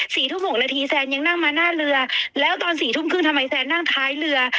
สี่ทุ่มหกนาทีแซนยังนั่งมาหน้าเรือแล้วตอนสี่ทุ่มครึ่งทำไมแซนนั่งท้ายเรือ